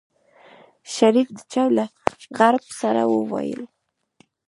شريف د چای له غړپ سره وويل.